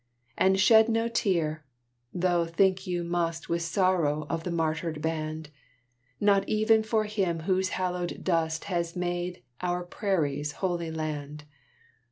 And shed no tear, though think you must With sorrow of the martyred band; Not even for him whose hallowed dust Has made our prairies holy land.